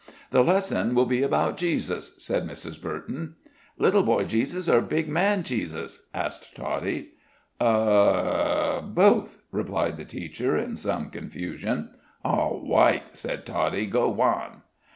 "The lesson will be about Jesus," said Mrs. Burton." "Little boy Jesus or big man Jesus?" asked Toddie. "A a both," replied the teacher, in some confusion. "Aw wight," said Toddie. "G'won."